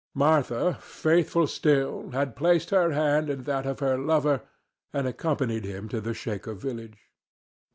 Martha, faithful still, had placed her hand in that of her lover and accompanied him to the Shaker village.